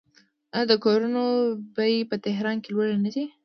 آیا د کورونو بیې په تهران کې لوړې نه دي؟